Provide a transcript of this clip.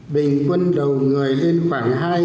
bình quân đầu người lên khoảng hai năm trăm tám mươi ba tỷ đô la mỹ